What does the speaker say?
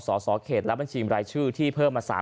สสเขตและบัญชีรายชื่อที่เพิ่มมา๓๐๐